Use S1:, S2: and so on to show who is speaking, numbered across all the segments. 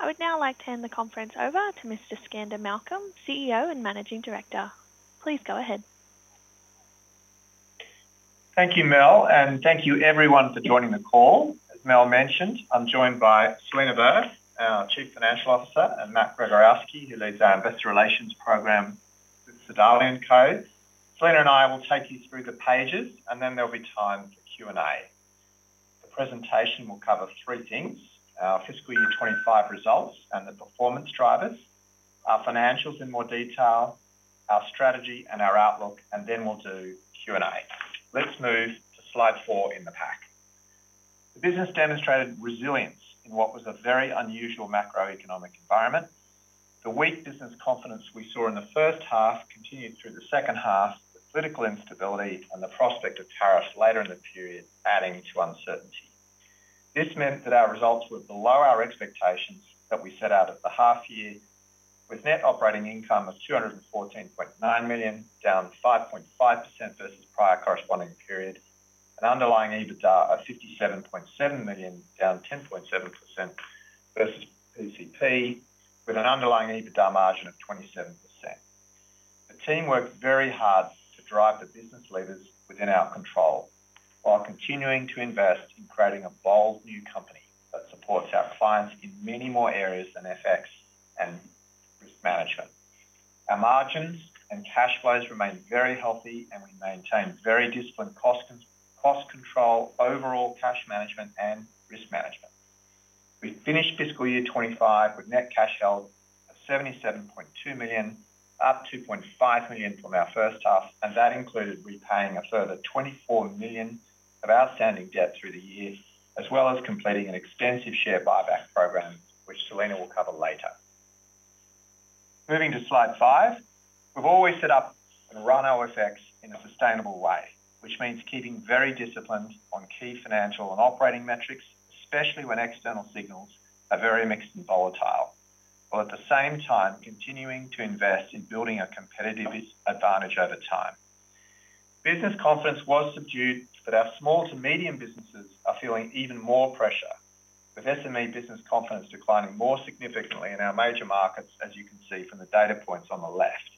S1: I would now like to hand the conference over to Mr. Skander Malcolm, CEO and Managing Director. Please go ahead.
S2: Thank you, Mel, and thank you everyone for joining the call. As Mel mentioned, I'm joined by Selena Verth, our Chief Financial Officer, and Matt Gregorowski, who leads our Investor Relations program with Sedalian Codes. Selena and I will take you through the pages, and then there'll be time for Q&A. The presentation will cover three things: our fiscal year 2025 results and the performance drivers, our financials in more detail, our strategy, and our outlook, and then we'll do Q&A. Let's move to slide four in the pack. The business demonstrated resilience in what was a very unusual macroeconomic environment. The weak business confidence we saw in the first half continued through the second half, with political instability and the prospect of tariffs later in the period adding to uncertainty. This meant that our results were below our expectations that we set out at the half year, with net operating income of $214.9 million, down 5.5% versus prior corresponding period, an underlying EBITDA of $57.7 million, down 10.7% versus PCP, with an underlying EBITDA margin of 27%. The team worked very hard to drive the business levers within our control while continuing to invest in creating a bold new company that supports our clients in many more areas than FX and risk management. Our margins and cash flows remain very healthy, and we maintain very disciplined cost control, overall cash management, and risk management. We finished fiscal year 2025 with net cash held of $77.2 million, up $2.5 million from our first half, and that included repaying a further $24 million of outstanding debt through the year, as well as completing an extensive share buyback program, which Selena will cover later. Moving to slide five. We have always set up and run OFX in a sustainable way, which means keeping very disciplined on key financial and operating metrics, especially when external signals are very mixed and volatile, while at the same time continuing to invest in building a competitive advantage over time. Business confidence was subdued, but our small to medium businesses are feeling even more pressure, with SME business confidence declining more significantly in our major markets, as you can see from the data points on the left.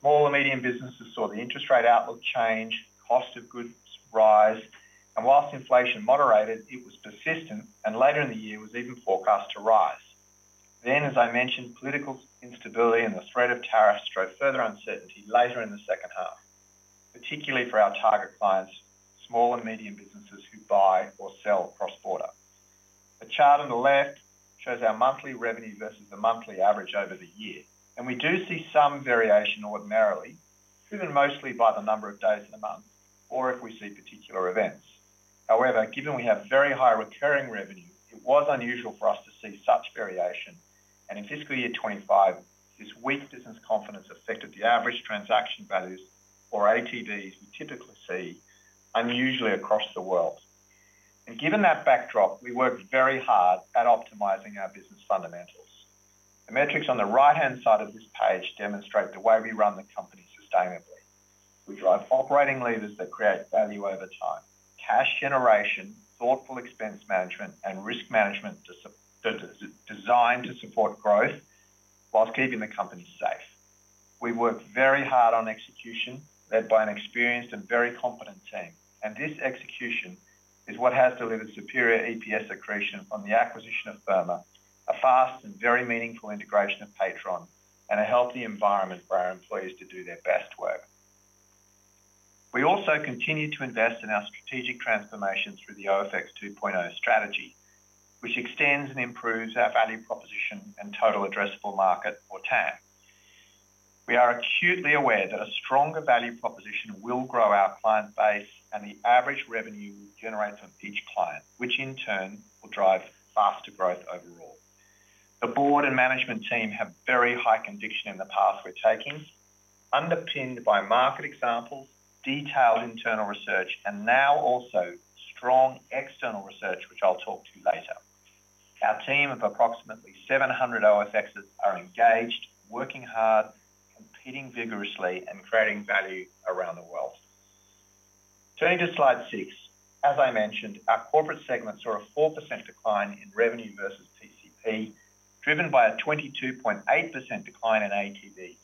S2: Small and medium businesses saw the interest rate outlook change, cost of goods rise, and whilst inflation moderated, it was persistent and later in the year was even forecast to rise. As I mentioned, political instability and the threat of tariffs drove further uncertainty later in the second half, particularly for our target clients, small and medium businesses who buy or sell cross-border. The chart on the left shows our monthly revenue versus the monthly average over the year, and we do see some variation ordinarily, driven mostly by the number of days in a month or if we see particular events. However, given we have very high recurring revenue, it was unusual for us to see such variation, and in fiscal year 2025, this weak business confidence affected the average transaction values, or ATVs, we typically see unusually across the world. Given that backdrop, we worked very hard at optimizing our business fundamentals. The metrics on the right-hand side of this page demonstrate the way we run the company sustainably. We drive operating levers that create value over time, cash generation, thoughtful expense management, and risk management designed to support growth whilst keeping the company safe. We worked very hard on execution, led by an experienced and very competent team, and this execution is what has delivered superior EPS accretion on the acquisition of Therma, a fast and very meaningful integration of Patron, and a healthy environment for our employees to do their best work. We also continue to invest in our strategic transformation through the OFX 2.0 strategy, which extends and improves our value proposition and total addressable market, or TAM. We are acutely aware that a stronger value proposition will grow our client base and the average revenue we generate from each client, which in turn will drive faster growth overall. The board and management team have very high conviction in the path we're taking, underpinned by market examples, detailed internal research, and now also strong external research, which I'll talk to later. Our team of approximately 700 OFXers are engaged, working hard, competing vigorously, and creating value around the world. Turning to slide six. As I mentioned, our corporate segments saw a 4% decline in revenue versus PCP, driven by a 22.8% decline in ATVs.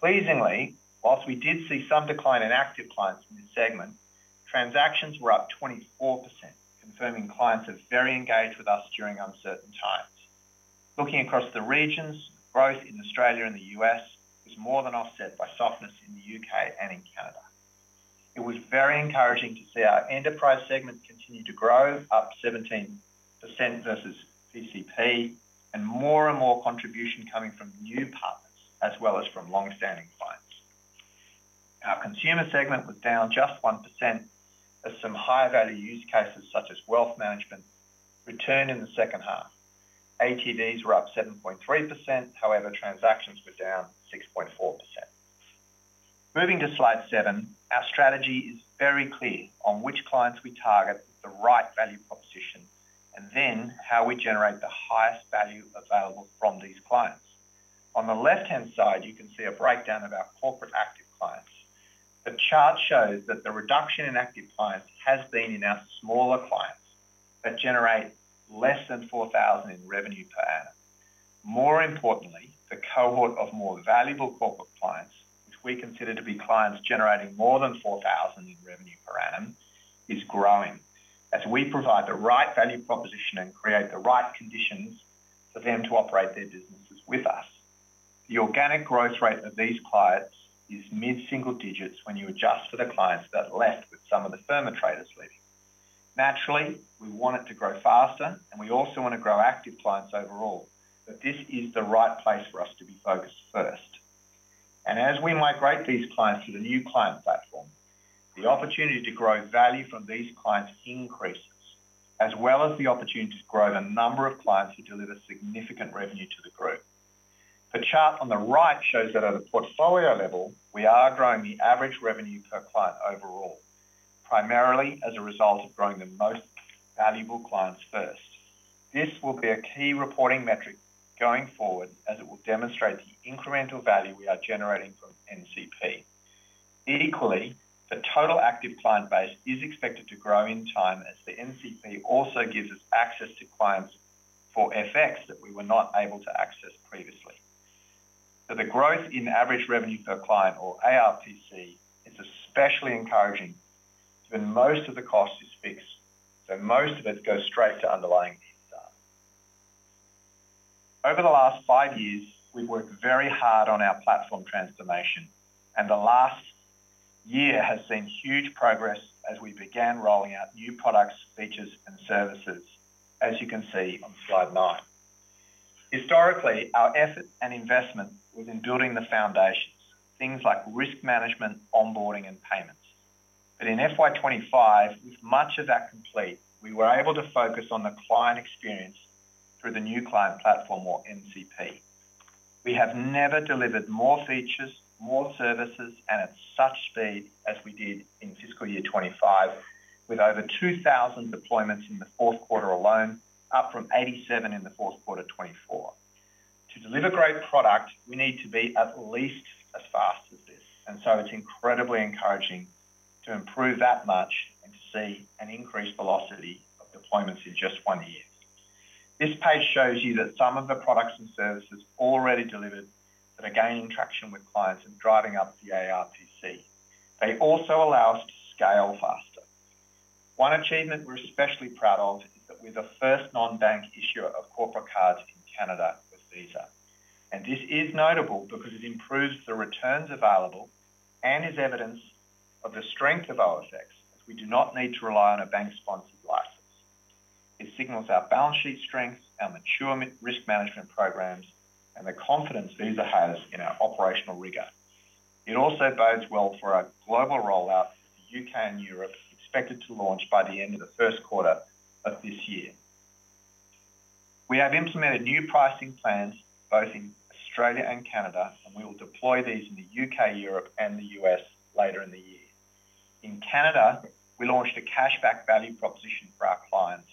S2: Pleasingly, whilst we did see some decline in active clients in this segment, transactions were up 24%, confirming clients are very engaged with us during uncertain times. Looking across the regions, growth in Australia and the U.S. was more than offset by softness in the U.K. and in Canada. It was very encouraging to see our enterprise segment continue to grow, up 17% versus PCP, and more and more contribution coming from new partners as well as from long-standing clients. Our consumer segment was down just 1%, as some high-value use cases such as wealth management returned in the second half. ATVs were up 7.3%, however, transactions were down 6.4%. Moving to slide seven. Our strategy is very clear on which clients we target with the right value proposition and then how we generate the highest value available from these clients. On the left-hand side, you can see a breakdown of our corporate active clients. The chart shows that the reduction in active clients has been in our smaller clients that generate less than $4,000 in revenue per annum. More importantly, the cohort of more valuable corporate clients, which we consider to be clients generating more than $4,000 in revenue per annum, is growing as we provide the right value proposition and create the right conditions for them to operate their businesses with us. The organic growth rate of these clients is mid-single digits when you adjust for the clients that are left with some of the Therma traders leaving. Naturally, we want it to grow faster, and we also want to grow active clients overall, but this is the right place for us to be focused first. As we migrate these clients to the new client platform, the opportunity to grow value from these clients increases, as well as the opportunity to grow the number of clients who deliver significant revenue to the group. The chart on the right shows that at a portfolio level, we are growing the average revenue per client overall, primarily as a result of growing the most valuable clients first. This will be a key reporting metric going forward, as it will demonstrate the incremental value we are generating from NCP. Equally, the total active client base is expected to grow in time as the NCP also gives us access to clients for FX that we were not able to access previously. The growth in average revenue per client, or ARPC, is especially encouraging given most of the cost is fixed, so most of it goes straight to underlying EBITDA. Over the last five years, we've worked very hard on our platform transformation, and the last year has seen huge progress as we began rolling out new products, features, and services, as you can see on slide nine. Historically, our effort and investment was in building the foundations, things like risk management, onboarding, and payments. In FY 2025, with much of that complete, we were able to focus on the client experience through the New Client Platform, or NCP. We have never delivered more features, more services, and at such speed as we did in fiscal year 2025, with over 2,000 deployments in the fourth quarter alone, up from 87 in the fourth quarter 2024. To deliver great product, we need to be at least as fast as this, and so it's incredibly encouraging to improve that much and to see an increased velocity of deployments in just one year. This page shows you that some of the products and services already delivered that are gaining traction with clients and driving up the ARPC. They also allow us to scale faster. One achievement we're especially proud of is that we're the first non-bank issuer of corporate cards in Canada with Visa, and this is notable because it improves the returns available and is evidence of the strength of OFX, as we do not need to rely on a bank-sponsored license. It signals our balance sheet strength, our mature risk management programs, and the confidence Visa has in our operational rigor. It also bodes well for our global rollout to the U.K. and Europe, expected to launch by the end of the first quarter of this year. We have implemented new pricing plans both in Australia and Canada, and we will deploy these in the U.K., Europe, and the U.S. later in the year. In Canada, we launched a cash-back value proposition for our clients,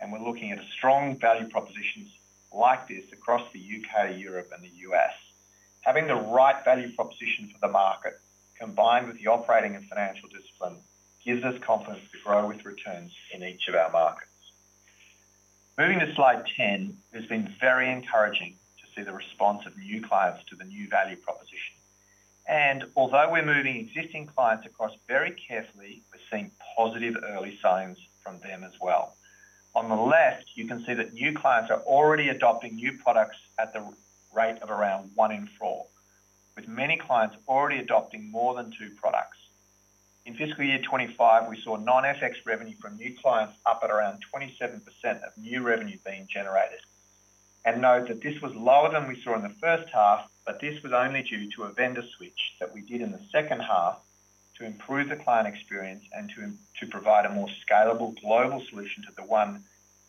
S2: and we're looking at a strong value proposition like this across the U.K., Europe, and the U.S. Having the right value proposition for the market, combined with the operating and financial discipline, gives us confidence to grow with returns in each of our markets. Moving to slide ten, it has been very encouraging to see the response of new clients to the new value proposition. Although we're moving existing clients across very carefully, we're seeing positive early signs from them as well. On the left, you can see that new clients are already adopting new products at the rate of around one in four, with many clients already adopting more than two products. In fiscal year 2025, we saw non-FX revenue from new clients up at around 27% of new revenue being generated. Note that this was lower than we saw in the first half, but this was only due to a vendor switch that we did in the second half to improve the client experience and to provide a more scalable global solution to the one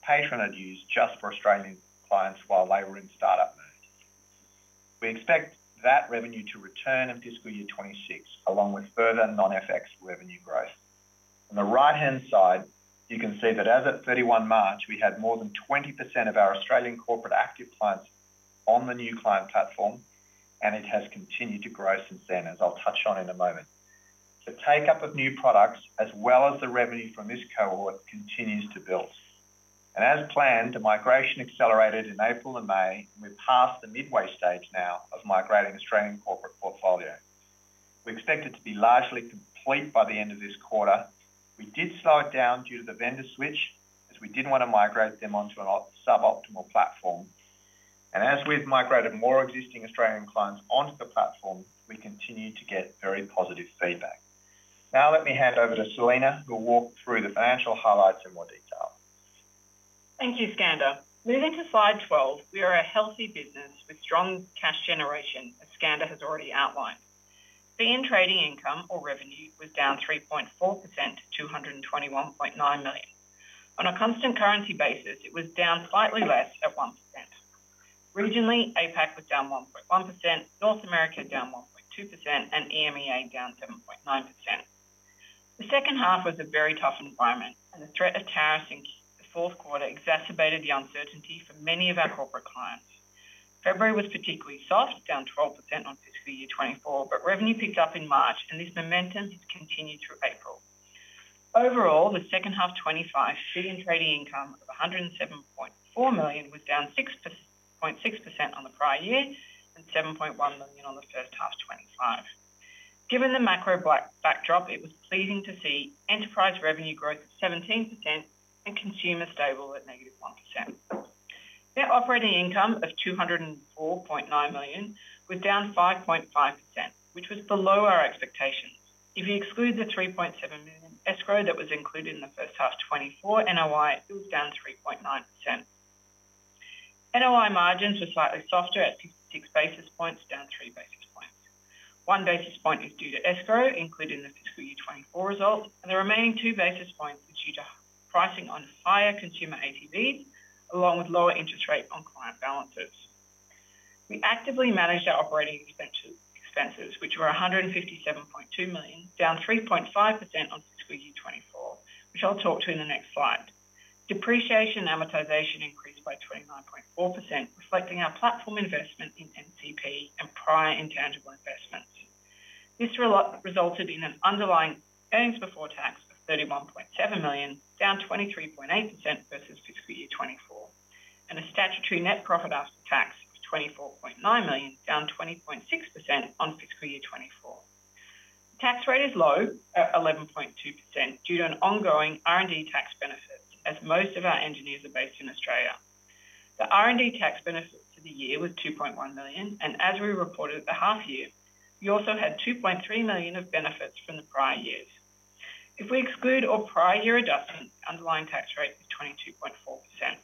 S2: Patron had used just for Australian clients while they were in startup mode. We expect that revenue to return in fiscal year 2026, along with further non-FX revenue growth. On the right-hand side, you can see that as of 31st March, we had more than 20% of our Australian corporate active clients on the new client platform, and it has continued to grow since then, as I'll touch on in a moment. The take-up of new products, as well as the revenue from this cohort, continues to build. As planned, the migration accelerated in April and May, and we're past the midway stage now of migrating Australian corporate portfolio. We expect it to be largely complete by the end of this quarter. We did slow it down due to the vendor switch, as we didn't want to migrate them onto a suboptimal platform. As we've migrated more existing Australian clients onto the platform, we continue to get very positive feedback. Now let me hand over to Selena, who will walk through the financial highlights in more detail.
S3: Thank you, Skander. Moving to slide 12, we are a healthy business with strong cash generation, as Skander has already outlined. BN trading income, or revenue, was down 3.4% to $221.9 million. On a constant currency basis, it was down slightly less at 1%. Regionally, APAC was down 1.1%, North America down 1.2%, and EMEA down 7.9%. The second half was a very tough environment, and the threat of tariffs in the fourth quarter exacerbated the uncertainty for many of our corporate clients. February was particularly soft, down 12% on fiscal year 2024, but revenue picked up in March, and this momentum has continued through April. Overall, the second half 2025, BN trading income of $107.4 million was down 6.6% on the prior year and $7.1 million on the first half 2025. Given the macro backdrop, it was pleasing to see enterprise revenue growth of 17% and consumer stable at negative 1%. Their operating income of $204.9 million was down 5.5%, which was below our expectations. If you exclude the $3.7 million escrow that was included in the first half 2024, NOI was down 3.9%. NOI margins were slightly softer at 56 basis points, down 3 basis points. One basis point is due to escrow included in the fiscal year 2024 result, and the remaining 2 basis points is due to pricing on higher consumer ATVs, along with lower interest rates on client balances. We actively managed our operating expenses, which were $157.2 million, down 3.5% on fiscal year 2024, which I'll talk to in the next slide. Depreciation and amortization increased by 29.4%, reflecting our platform investment in NCP and prior intangible investments. This resulted in an underlying earnings before tax of $31.7 million, down 23.8% versus fiscal year 2024, and a statutory net profit after tax of $24.9 million, down 20.6% on fiscal year 2024. The tax rate is low at 11.2% due to an ongoing R&D tax benefit, as most of our engineers are based in Australia. The R&D tax benefit for the year was $2.1 million, and as we reported at the half year, we also had $2.3 million of benefits from the prior years. If we exclude all prior year adjustments, the underlying tax rate is 22.4%.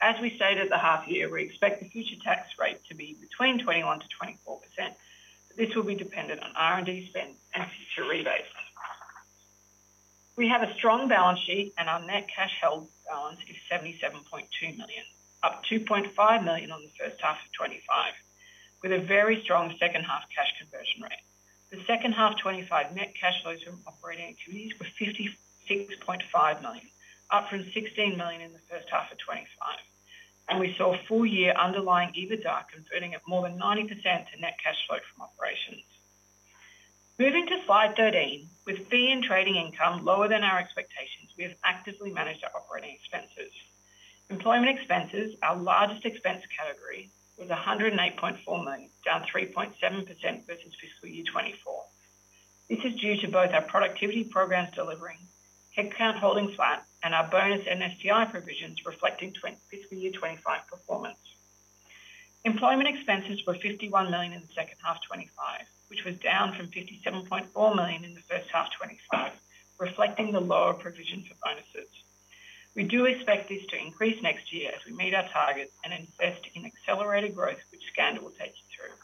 S3: As we stated at the half year, we expect the future tax rate to be between 21%-24%, but this will be dependent on R&D spend and future rebates. We have a strong balance sheet, and our net cash held balance is $77.2 million, up $2.5 million on the first half of 2025, with a very strong second half cash conversion rate. The second half 2025 net cash flows from operating activities were $56.5 million, up from $16 million in the first half of 2025, and we saw full year underlying EBITDA converting at more than 90% to net cash flow from operations. Moving to slide 13, with BN trading income lower than our expectations, we have actively managed our operating expenses. Employment expenses, our largest expense category, was $108.4 million, down 3.7% versus fiscal year 2024. This is due to both our productivity programs delivering, headcount holding flat, and our bonus NSTI provisions reflecting fiscal year 2025 performance. Employment expenses were $51 million in the second half 2025, which was down from $57.4 million in the first half 2025, reflecting the lower provision for bonuses. We do expect this to increase next year as we meet our targets and invest in accelerated growth, which Skander will take you through.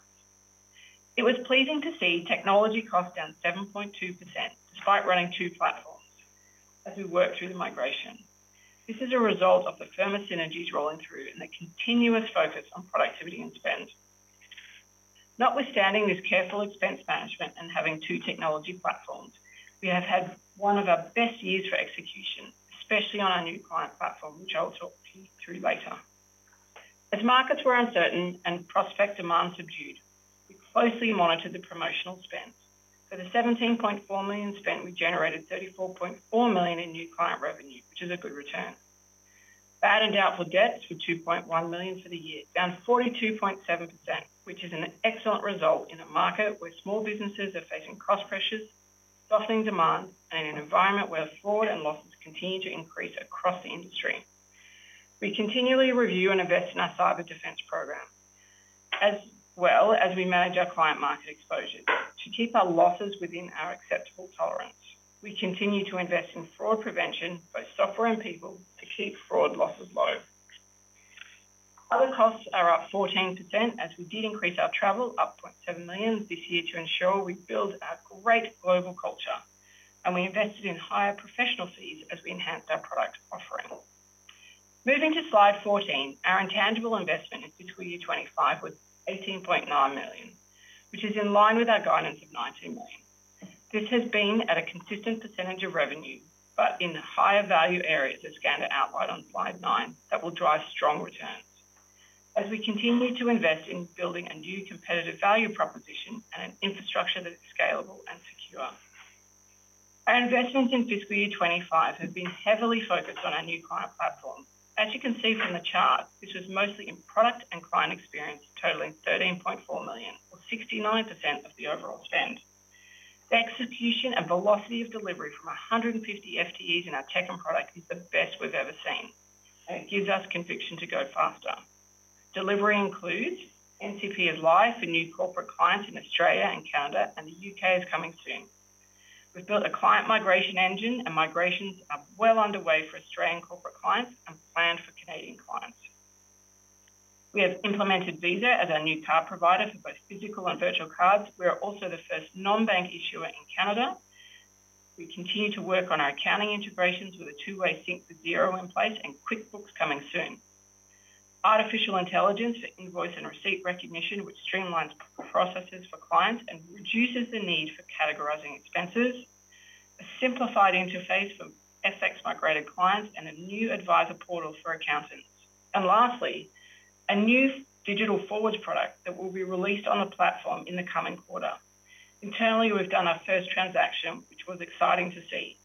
S3: It was pleasing to see technology costs down 7.2% despite running two platforms as we worked through the migration. This is a result of the firm's synergies rolling through and the continuous focus on productivity and spend. Notwithstanding this careful expense management and having two technology platforms, we have had one of our best years for execution, especially on our New Client Platform, which I'll talk to you through later. As markets were uncertain and prospect demand subdued, we closely monitored the promotional spend. For the $17.4 million spent, we generated $34.4 million in new client revenue, which is a good return. Bad and doubtful debts were $2.1 million for the year, down 42.7%, which is an excellent result in a market where small businesses are facing cost pressures, softening demand, and in an environment where fraud and losses continue to increase across the industry. We continually review and invest in our cyber defense program, as well as we manage our client market exposures to keep our losses within our acceptable tolerance. We continue to invest in fraud prevention, both software and people, to keep fraud losses low. Other costs are up 14%, as we did increase our travel up $700,000 this year to ensure we build our great global culture, and we invested in higher professional fees as we enhanced our product offering. Moving to slide 14, our intangible investment in fiscal year 2025 was $18.9 million, which is in line with our guidance of $19 million. This has been at a consistent percentage of revenue, but in the higher value areas, as Skander outlined on slide nine, that will drive strong returns as we continue to invest in building a new competitive value proposition and an infrastructure that is scalable and secure. Our investments in fiscal year 2025 have been heavily focused on our new client platform. As you can see from the chart, this was mostly in product and client experience, totaling $13.4 million, or 69% of the overall spend. The execution and velocity of delivery from 150 FTEs in our tech and product is the best we have ever seen, and it gives us conviction to go faster. Delivery includes NCP is live for new corporate clients in Australia and Canada, and the U.K. is coming soon. We've built a client migration engine, and migrations are well underway for Australian corporate clients and planned for Canadian clients. We have implemented Visa as our new card provider for both physical and virtual cards. We are also the first non-bank issuer in Canada. We continue to work on our accounting integrations with a two-way sync for Xero in place and QuickBooks coming soon. Artificial intelligence for invoice and receipt recognition, which streamlines processes for clients and reduces the need for categorizing expenses. A simplified interface for FX migrated clients and a new advisor portal for accountants. Lastly, a new digital forwards product that will be released on the platform in the coming quarter. Internally, we've done our first transaction, which was exciting to see.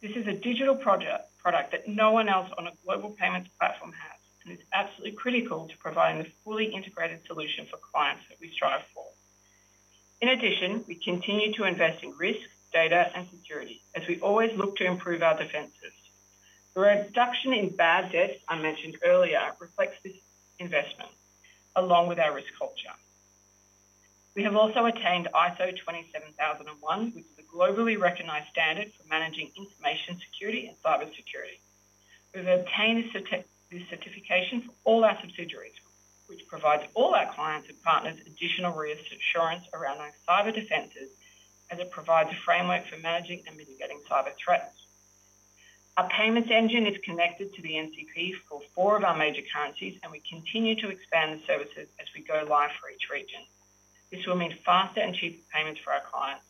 S3: This is a digital product that no one else on a global payments platform has, and it's absolutely critical to providing the fully integrated solution for clients that we strive for. In addition, we continue to invest in risk, data, and security, as we always look to improve our defenses. The reduction in bad debts I mentioned earlier reflects this investment, along with our risk culture. We have also attained ISO 27001, which is a globally recognized standard for managing information security and cybersecurity. We've obtained this certification for all our subsidiaries, which provides all our clients and partners additional reassurance around our cyber defenses, as it provides a framework for managing and mitigating cyber threats. Our payments engine is connected to the NCP for four of our major currencies, and we continue to expand the services as we go live for each region. This will mean faster and cheaper payments for our clients.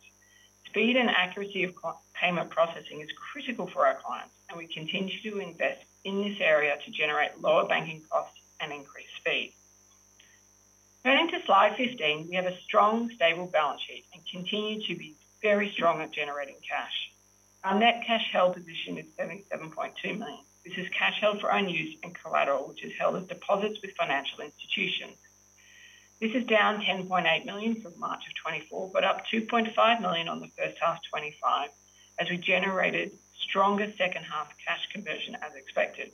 S3: Speed and accuracy of payment processing is critical for our clients, and we continue to invest in this area to generate lower banking costs and increase speed. Turning to slide 15, we have a strong, stable balance sheet and continue to be very strong at generating cash. Our net cash held position is $77.2 million. This is cash held for own use and collateral, which is held as deposits with financial institutions. This is down $10.8 million from March of 2024, but up $2.5 million on the first half 2025, as we generated stronger second half cash conversion as expected.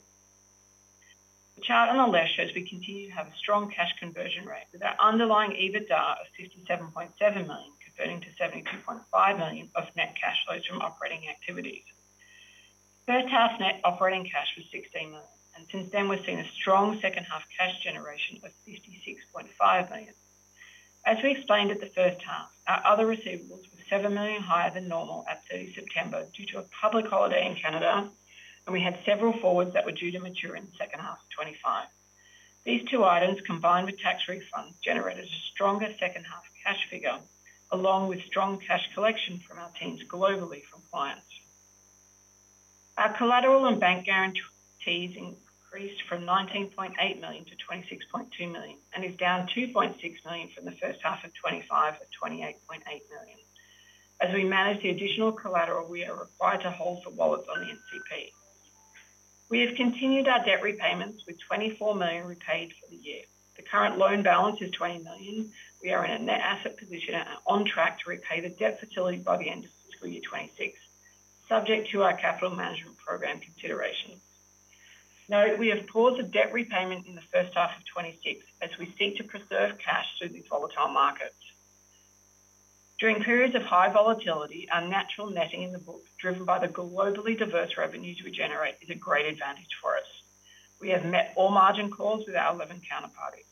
S3: The chart on the left shows we continue to have a strong cash conversion rate with our underlying EBITDA of $57.7 million, converting to $72.5 million of net cash flows from operating activities. First half net operating cash was $16 million, and since then, we've seen a strong second half cash generation of $56.5 million. As we explained at the first half, our other receivables were $7 million higher than normal at 30 September due to a public holiday in Canada, and we had several forwards that were due to mature in the second half of 2025. These two items, combined with tax refunds, generated a stronger second half cash figure, along with strong cash collection from our teams globally from clients. Our collateral and bank guarantees increased from $19.8 million to $26.2 million and is down $2.6 million from the first half of 2025 at $28.8 million. As we manage the additional collateral, we are required to hold for wallets on the NCP. We have continued our debt repayments, with $24 million repaid for the year. The current loan balance is $20 million. We are in a net asset position and on track to repay the debt facility by the end of fiscal year 2026, subject to our capital management program considerations. Note we have paused the debt repayment in the first half of 2026 as we seek to preserve cash through these volatile markets. During periods of high volatility, our natural netting in the books, driven by the globally diverse revenues we generate, is a great advantage for us. We have met all margin calls with our 11 counterparties.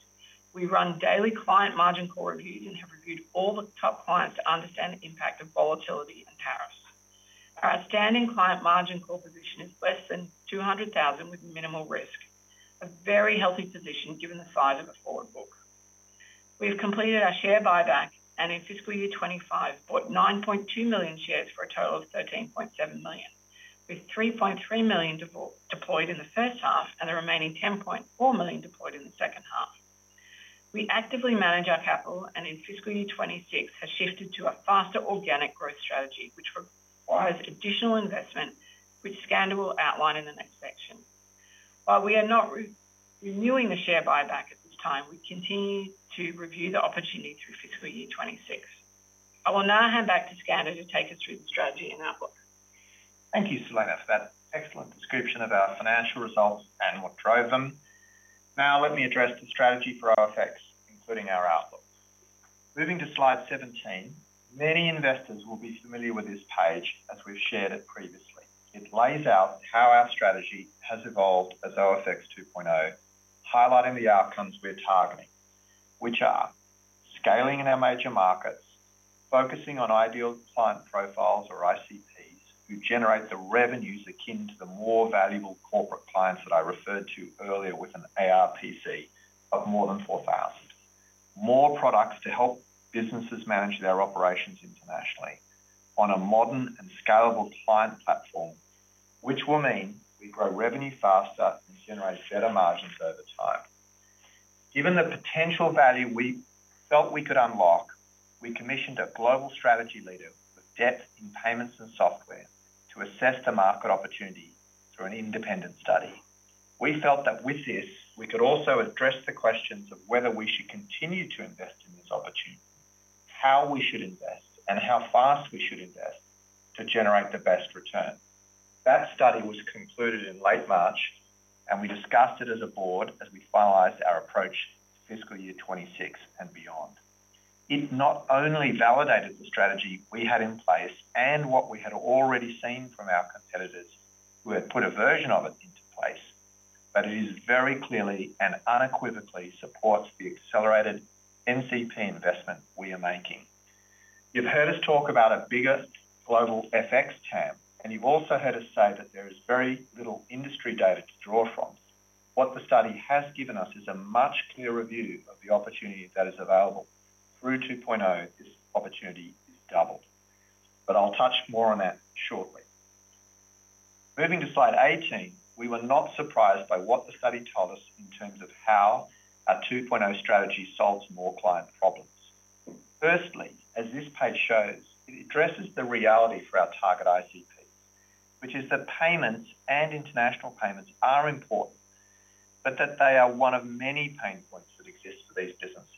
S3: We run daily client margin call reviews and have reviewed all the top clients to understand the impact of volatility and tariffs. Our outstanding client margin call position is less than $200,000 with minimal risk, a very healthy position given the size of a forward book. We have completed our share buyback and in fiscal year 2025 bought 9.2 million shares for a total of $13.7 million, with $3.3 million deployed in the first half and the remaining $10.4 million deployed in the second half. We actively manage our capital and in fiscal year 2026 have shifted to a faster organic growth strategy, which requires additional investment, which Skander will outline in the next section. While we are not renewing the share buyback at this time, we continue to review the opportunity through fiscal year 2026. I will now hand back to Skander to take us through the strategy and outlook.
S2: Thank you, Selena, for that excellent description of our financial results and what drove them. Now let me address the strategy for OFX, including our outlook. Moving to slide 17, many investors will be familiar with this page, as we've shared it previously. It lays out how our strategy has evolved as OFX 2.0, highlighting the outcomes we're targeting, which are scaling in our major markets, focusing on ideal client profiles or ICPs who generate the revenues akin to the more valuable corporate clients that I referred to earlier with an ARPC of more than $4,000, more products to help businesses manage their operations internationally on a modern and scalable client platform, which will mean we grow revenue faster and generate better margins over time. Given the potential value we felt we could unlock, we commissioned a global strategy leader with depth in payments and software to assess the market opportunity through an independent study. We felt that with this, we could also address the questions of whether we should continue to invest in this opportunity, how we should invest, and how fast we should invest to generate the best return. That study was concluded in late March, and we discussed it as a board as we finalized our approach to fiscal year 2026 and beyond. It not only validated the strategy we had in place and what we had already seen from our competitors who had put a version of it into place, but it very clearly and unequivocally supports the accelerated NCP investment we are making. You've heard us talk about a bigger global FX TAM, and you've also heard us say that there is very little industry data to draw from. What the study has given us is a much clearer view of the opportunity that is available. Through 2.0, this opportunity is doubled, but I'll touch more on that shortly. Moving to slide 18, we were not surprised by what the study told us in terms of how our 2.0 strategy solves more client problems. Firstly, as this page shows, it addresses the reality for our target ICPs, which is that payments and international payments are important, but that they are one of many pain points that exist for these businesses.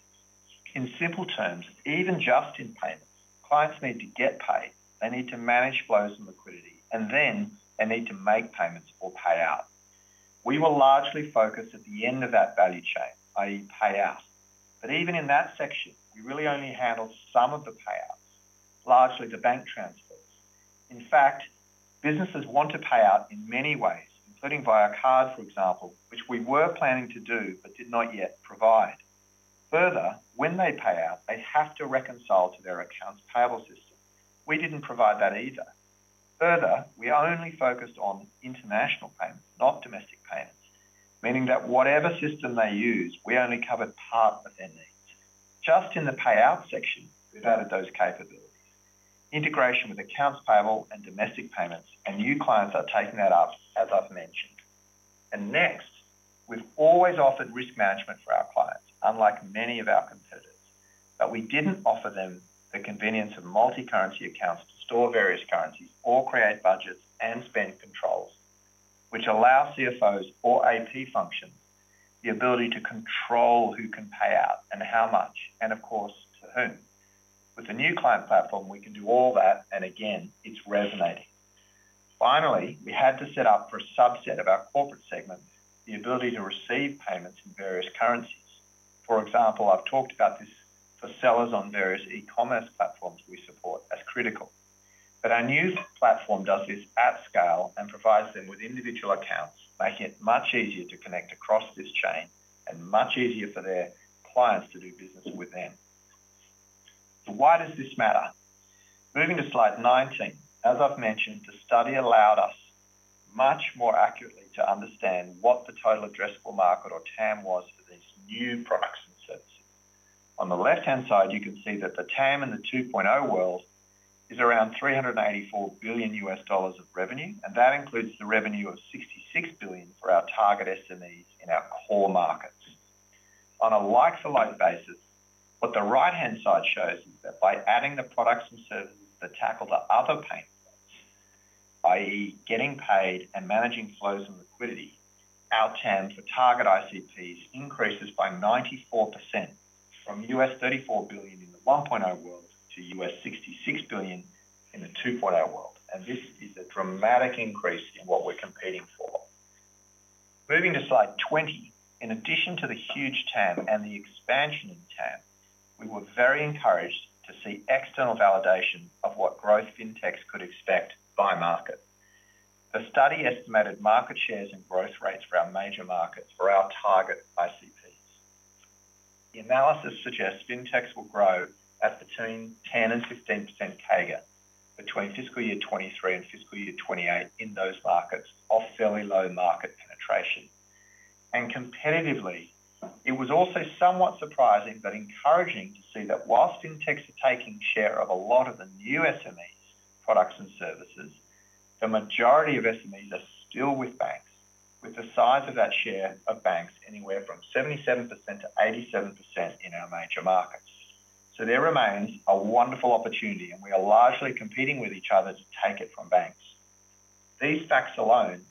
S2: In simple terms, even just in payments, clients need to get paid. They need to manage flows and liquidity, and then they need to make payments or pay out. We were largely focused at the end of that value chain, i.e., pay out. Even in that section, we really only handled some of the payouts, largely the bank transfers. In fact, businesses want to pay out in many ways, including via card, for example, which we were planning to do but did not yet provide. Further, when they pay out, they have to reconcile to their accounts payable system. We did not provide that either. Further, we only focused on international payments, not domestic payments, meaning that whatever system they use, we only covered part of their needs. Just in the payout section, we have added those capabilities. Integration with accounts payable and domestic payments, and new clients are taking that up, as I have mentioned. Next, we have always offered risk management for our clients, unlike many of our competitors, but we did not offer them the convenience of multi-currency accounts to store various currencies or create budgets and spend controls, which allow CFOs or AP functions the ability to control who can pay out and how much, and of course, to whom. With the New Client Platform, we can do all that, and again, it is resonating. Finally, we had to set up for a subset of our corporate segment the ability to receive payments in various currencies. For example, I've talked about this for sellers on various e-commerce platforms we support as critical. Our new platform does this at scale and provides them with individual accounts, making it much easier to connect across this chain and much easier for their clients to do business with them. Why does this matter? Moving to slide 19, as I've mentioned, the study allowed us much more accurately to understand what the total addressable market or TAM was for these new products and services. On the left-hand side, you can see that the TAM in the 2.0 world is around $384 billion of revenue, and that includes the revenue of $66 billion for our target SMEs in our core markets. On a like-for-like basis, what the right-hand side shows is that by adding the products and services that tackle the other pain points, i.e., getting paid and managing flows and liquidity, our TAM for target ICPs increases by 94% from $34 billion in the 1.0 world to $66 billion in the 2.0 world. This is a dramatic increase in what we're competing for. Moving to slide 20, in addition to the huge TAM and the expansion in TAM, we were very encouraged to see external validation of what growth fintechs could expect by market. The study estimated market shares and growth rates for our major markets for our target ICPs. The analysis suggests fintechs will grow at between 10-15% CAGR between fiscal year 2023 and fiscal year 2028 in those markets of fairly low market penetration. Competitively, it was also somewhat surprising but encouraging to see that whilst fintechs are taking share of a lot of the new SMEs, products, and services, the majority of SMEs are still with banks, with the size of that share of banks anywhere from 77%-87% in our major markets. There remains a wonderful opportunity, and we are largely competing with each other to take it from banks. These facts alone,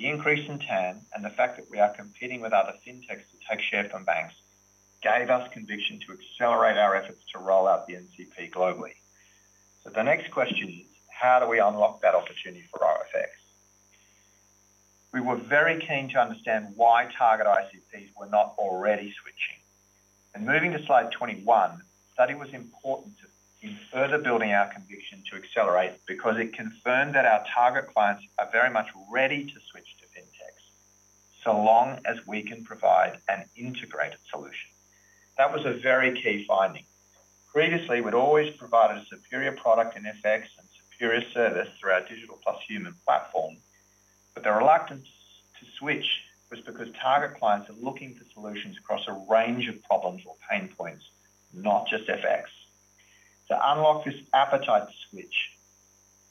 S2: the increase in TAM, and the fact that we are competing with other fintechs to take share from banks gave us conviction to accelerate our efforts to roll out the NCP globally. The next question is, how do we unlock that opportunity for OFX? We were very keen to understand why target ICPs were not already switching. Moving to slide 21, the study was important in further building our conviction to accelerate because it confirmed that our target clients are very much ready to switch to fintechs so long as we can provide an integrated solution. That was a very key finding. Previously, we had always provided a superior product in FX and superior service through our digital plus human platform, but the reluctance to switch was because target clients are looking for solutions across a range of problems or pain points, not just FX. To unlock this appetite to switch,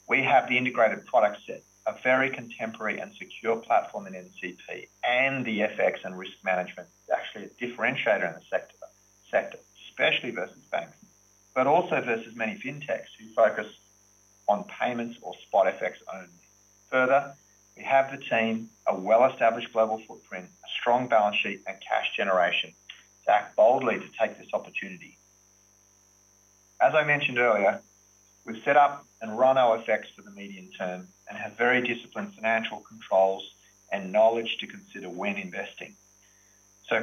S2: we have the integrated product set, a very contemporary and secure platform in NCP, and the FX and risk management is actually a differentiator in the sector, especially versus banks, but also versus many fintechs who focus on payments or spot FX only. Further, we have the team, a well-established global footprint, a strong balance sheet, and cash generation to act boldly to take this opportunity. As I mentioned earlier, we have set up and run OFX for the medium term and have very disciplined financial controls and knowledge to consider when investing.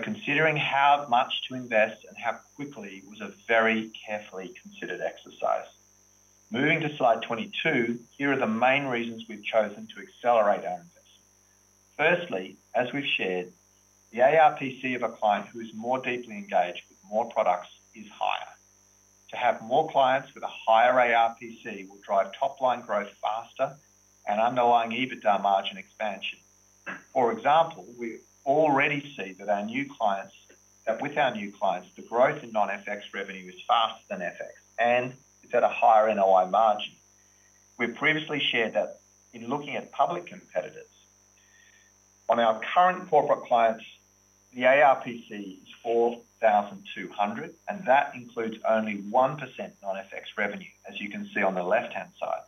S2: Considering how much to invest and how quickly was a very carefully considered exercise. Moving to slide 22, here are the main reasons we have chosen to accelerate our investment. Firstly, as we have shared, the ARPC of a client who is more deeply engaged with more products is higher. To have more clients with a higher ARPC will drive top-line growth faster and underlying EBITDA margin expansion. For example, we already see that with our new clients, the growth in non-FX revenue is faster than FX, and it is at a higher NOI margin. We previously shared that in looking at public competitors. On our current corporate clients, the ARPC is $4,200, and that includes only 1% non-FX revenue, as you can see on the left-hand side.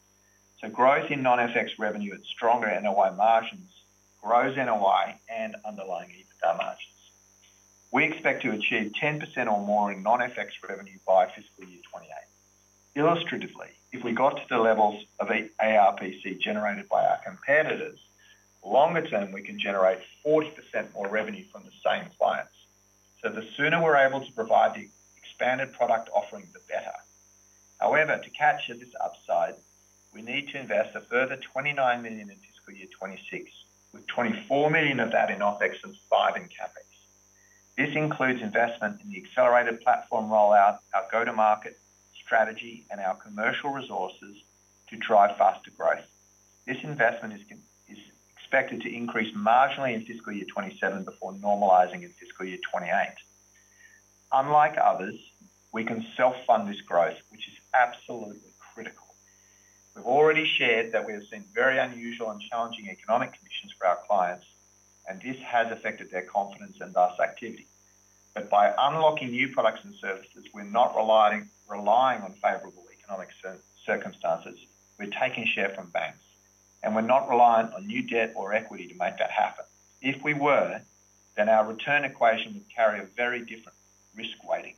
S2: Growth in non-FX revenue at stronger NOI margins grows NOI and underlying EBITDA margins. We expect to achieve 10% or more in non-FX revenue by fiscal year 2028. Illustratively, if we got to the levels of ARPC generated by our competitors, longer term we can generate 40% more revenue from the same clients. The sooner we're able to provide the expanded product offering, the better. However, to capture this upside, we need to invest a further $29 million in fiscal year 2026, with $24 million of that in OFX and $5 million in CapEx. This includes investment in the accelerated platform rollout, our go-to-market strategy, and our commercial resources to drive faster growth. This investment is expected to increase marginally in fiscal year 2027 before normalizing in fiscal year 2028. Unlike others, we can self-fund this growth, which is absolutely critical. We have already shared that we have seen very unusual and challenging economic conditions for our clients, and this has affected their confidence and thus activity. By unlocking new products and services, we are not relying on favorable economic circumstances. We are taking share from banks, and we are not reliant on new debt or equity to make that happen. If we were, then our return equation would carry a very different risk weighting.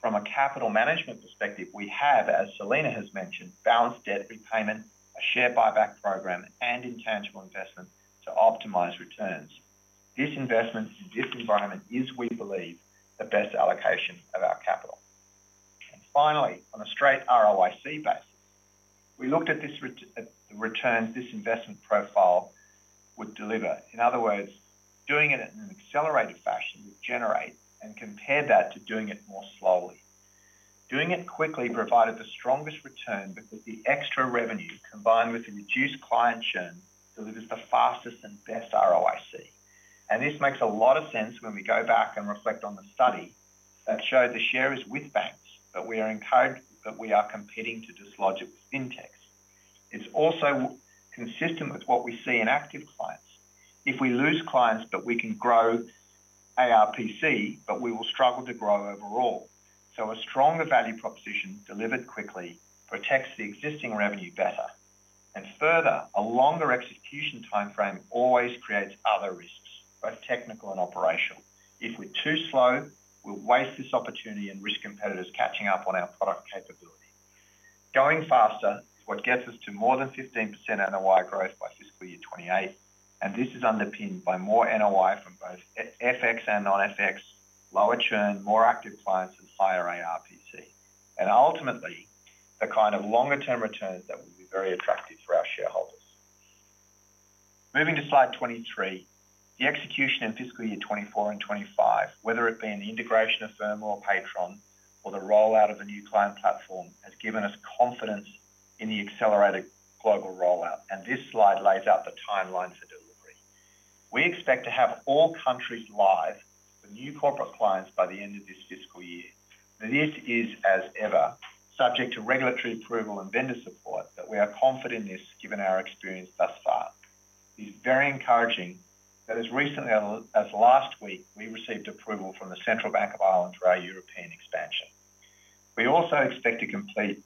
S2: From a capital management perspective, we have, as Selena has mentioned, balanced debt repayment, a share buyback program, and intangible investment to optimize returns. This investment in this environment is, we believe, the best allocation of our capital. Finally, on a straight ROIC basis, we looked at the returns this investment profile would deliver. In other words, doing it in an accelerated fashion would generate and compare that to doing it more slowly. Doing it quickly provided the strongest return because the extra revenue combined with the reduced client churn delivers the fastest and best ROIC. This makes a lot of sense when we go back and reflect on the study that showed the share is with banks, but we are encouraged that we are competing to dislodge it with fintechs. It is also consistent with what we see in active clients. If we lose clients, but we can grow ARPC, we will struggle to grow overall. A stronger value proposition delivered quickly protects the existing revenue better. Further, a longer execution timeframe always creates other risks, both technical and operational. If we're too slow, we'll waste this opportunity and risk competitors catching up on our product capability. Going faster is what gets us to more than 15% NOI growth by fiscal year 2028. This is underpinned by more NOI from both FX and non-FX, lower churn, more active clients, and higher ARPC. Ultimately, the kind of longer-term returns that will be very attractive for our shareholders. Moving to slide 23, the execution in fiscal year 2024 and 2025, whether it be an integration of Therma or Patron or the rollout of a new client platform, has given us confidence in the accelerated global rollout. This slide lays out the timeline for delivery. We expect to have all countries live with new corporate clients by the end of this fiscal year. This is, as ever, subject to regulatory approval and vendor support, but we are confident in this given our experience thus far. It is very encouraging that as recently as last week, we received approval from the Central Bank of Ireland for our European expansion. We also expect to complete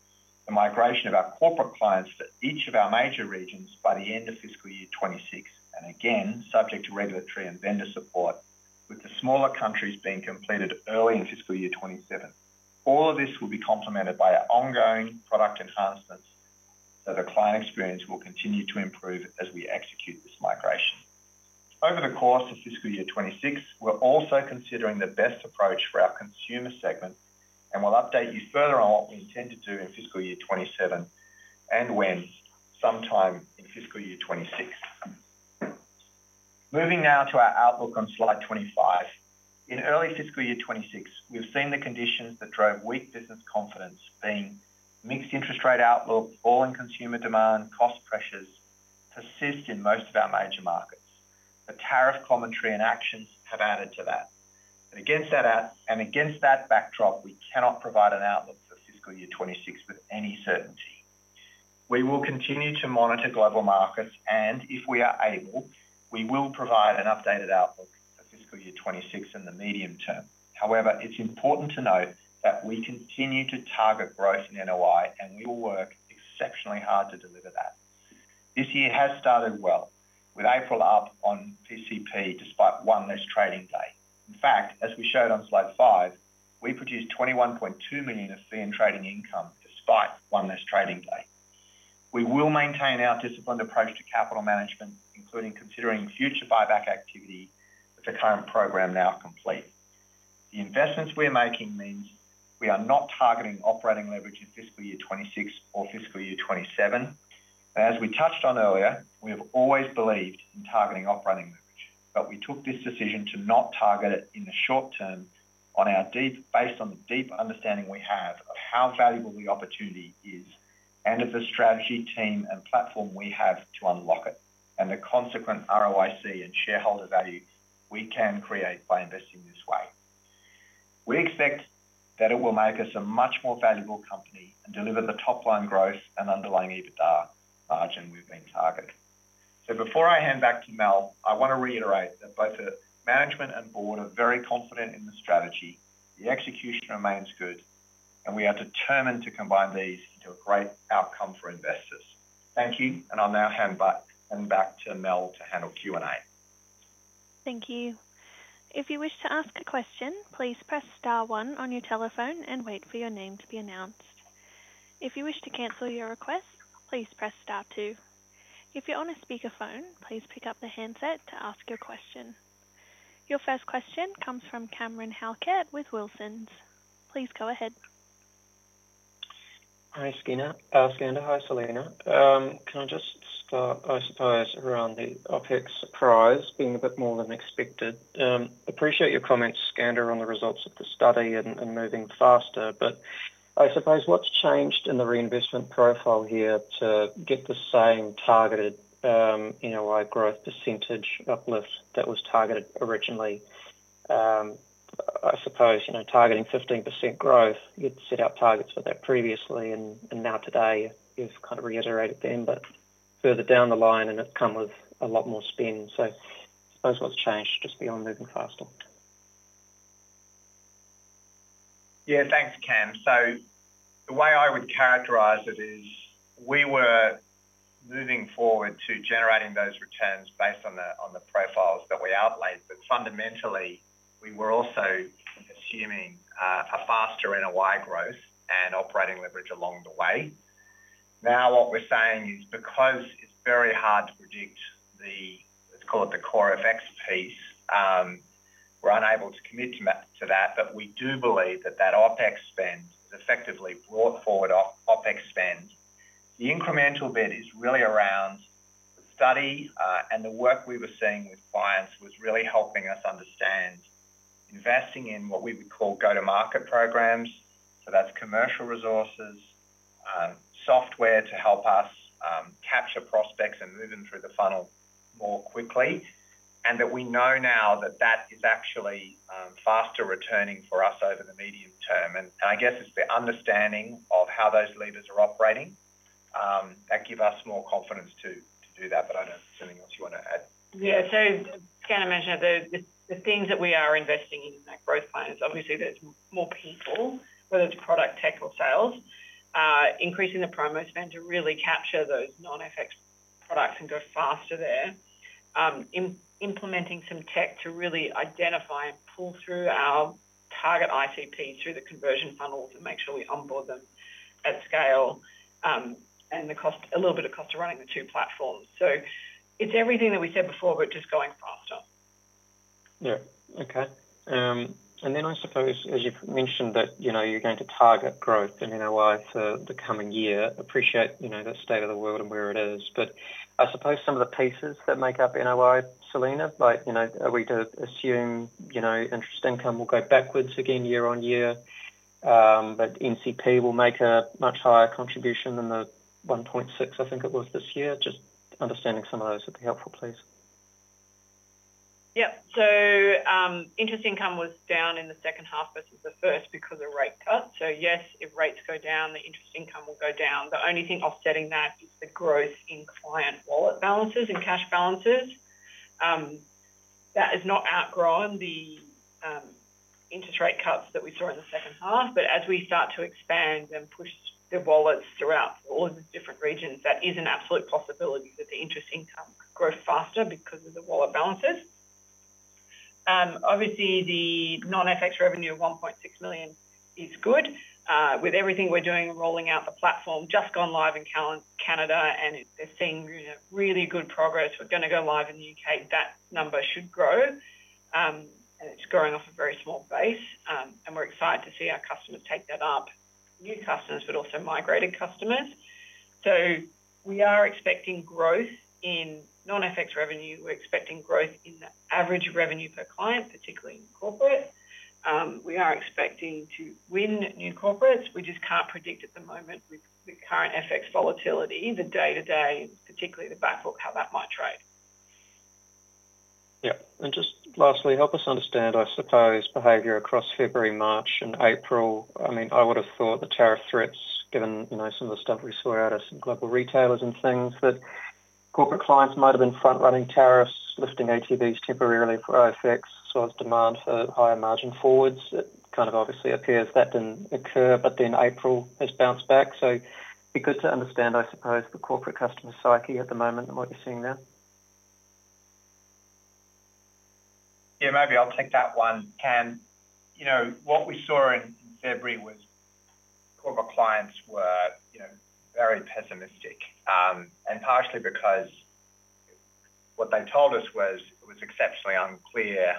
S2: the migration of our corporate clients to each of our major regions by the end of fiscal year 2026, and again, subject to regulatory and vendor support, with the smaller countries being completed early in fiscal year 2027. All of this will be complemented by ongoing product enhancements, so the client experience will continue to improve as we execute this migration. Over the course of fiscal year 2026, we're also considering the best approach for our consumer segment, and we'll update you further on what we intend to do in fiscal year 2027 and when sometime in fiscal year 2026. Moving now to our outlook on slide 25. In early fiscal year 2026, we've seen the conditions that drove weak business confidence, being mixed interest rate outlook, fall in consumer demand, and cost pressures persist in most of our major markets. The tariff commentary and actions have added to that. Against that backdrop, we cannot provide an outlook for fiscal year 2026 with any certainty. We will continue to monitor global markets, and if we are able, we will provide an updated outlook for fiscal year 2026 in the medium term. However, it's important to note that we continue to target growth in NOI, and we will work exceptionally hard to deliver that. This year has started well, with April up on PCP despite one less trading day. In fact, as we showed on slide 5, we produced $21.2 million of fee and trading income despite one less trading day. We will maintain our disciplined approach to capital management, including considering future buyback activity with the current program now complete. The investments we are making means we are not targeting operating leverage in fiscal year 2026 or fiscal year 2027. As we touched on earlier, we have always believed in targeting operating leverage, but we took this decision to not target it in the short term based on the deep understanding we have of how valuable the opportunity is and of the strategy, team, and platform we have to unlock it and the consequent ROIC and shareholder value we can create by investing this way. We expect that it will make us a much more valuable company and deliver the top-line growth and underlying EBITDA margin we've been targeting. Before I hand back to Mel, I want to reiterate that both the management and board are very confident in the strategy. The execution remains good, and we are determined to combine these into a great outcome for investors. Thank you, and I'll now hand back to Mel to handle Q&A.
S1: Thank you. If you wish to ask a question, please press star one on your telephone and wait for your name to be announced. If you wish to cancel your request, please press star two. If you're on a speakerphone, please pick up the handset to ask your question. Your first question comes from Cameron Halket with Wilsons. Please go ahead.
S4: Hi, Skander. Hi, Selena. Can I just start, I suppose, around the OpEx surprise being a bit more than expected? Appreciate your comments, Skander, on the results of the study and moving faster, but I suppose what's changed in the reinvestment profile here to get the same targeted NOI growth % uplift that was targeted originally? I suppose targeting 15% growth, you'd set out targets for that previously, and now today you've kind of reiterated them, but further down the line, and it's come with a lot more spin. I suppose what's changed just beyond moving faster?
S2: Yeah, thanks, Cam. The way I would characterize it is we were moving forward to generating those returns based on the profiles that we outlaid, but fundamentally, we were also assuming a faster NOI growth and operating leverage along the way. Now, what we're saying is because it's very hard to predict the, let's call it the core FX piece, we're unable to commit to that, but we do believe that that OpEx spend is effectively brought forward off OpEx spend. The incremental bit is really around the study, and the work we were seeing with clients was really helping us understand investing in what we would call go-to-market programs. That is commercial resources, software to help us capture prospects and move them through the funnel more quickly, and we know now that that is actually faster returning for us over the medium term. I guess it's the understanding of how those levers are operating that give us more confidence to do that, but I don't know if there's anything else you want to add.
S3: Yeah, Skander mentioned the things that we are investing in in our growth plans. Obviously, there's more people, whether it's product, tech, or sales. Increasing the promo spend to really capture those non-FX products and go faster there. Implementing some tech to really identify and pull through our target ICPs through the conversion funnels and make sure we onboard them at scale and a little bit of cost of running the two platforms. It's everything that we said before, but just going faster.
S4: Yeah. Okay. I suppose, as you've mentioned, that you're going to target growth in NOI for the coming year. Appreciate the state of the world and where it is. I suppose some of the pieces that make up NOI, Selena, like we assume interest income will go backwards again year on year, but NCP will make a much higher contribution than the $1.6 million, I think it was, this year. Just understanding some of those would be helpful, please.
S3: Yep. Interest income was down in the second half versus the first because of rate cuts. Yes, if rates go down, the interest income will go down. The only thing offsetting that is the growth in client wallet balances and cash balances. That has not outgrown the interest rate cuts that we saw in the second half, but as we start to expand and push the wallets throughout all of the different regions, that is an absolute possibility that the interest income grows faster because of the wallet balances. Obviously, the non-FX revenue of $1.6 million is good. With everything we're doing and rolling out the platform, just gone live in Canada, and they're seeing really good progress. We're going to go live in the U.K. That number should grow, and it's growing off a very small base, and we're excited to see our customers take that up. New customers, but also migrated customers. We are expecting growth in non-FX revenue. We're expecting growth in the average revenue per client, particularly in corporate. We are expecting to win new corporates. We just can't predict at the moment with the current FX volatility, the day-to-day, particularly the backbook, how that might trade.
S4: Yep. And just lastly, help us understand, I suppose, behavior across February, March, and April. I mean, I would have thought the tariff threats, given some of the stuff we saw out of some global retailers and things, that corporate clients might have been front-running tariffs, lifting ATVs temporarily for OFX, as well as demand for higher margin forwards. It kind of obviously appears that did not occur, but then April has bounced back. It would be good to understand, I suppose, the corporate customer psyche at the moment and what you are seeing there.
S2: Yeah, maybe I will take that one, Cam. What we saw in February was corporate clients were very pessimistic, and partially because what they told us was it was exceptionally unclear